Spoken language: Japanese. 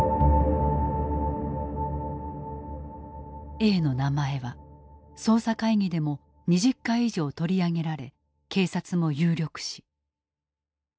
Ａの名前は捜査会議でも２０回以上取り上げられ警察も有力視。